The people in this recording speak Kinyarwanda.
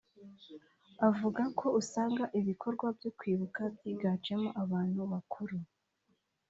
avuga ko usanga ibikorwa byo kwibuka byiganjemo abantu bakuru